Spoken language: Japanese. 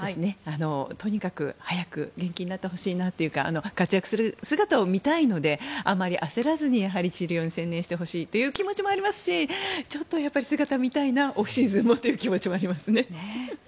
とにかく早く元気になってほしいなというか活躍する姿を見たいのであまり焦らずに治療に専念してほしいという気持ちもありますしちょっとやっぱり姿を見たいオフシーズンもという気持ちもありますね。